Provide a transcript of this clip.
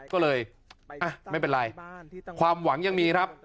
ก็เลยไม่เป็นไรความหวังยังมีครับ